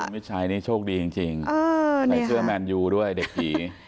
มิชัยนี่โชคดีจริงใส่เสื้อแมนยูด้วยเด็กผี